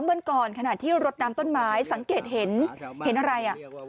วันก่อนขณะที่รถน้ำต้นไม้สังเกตเห็นเห็นอะไรอ่ะ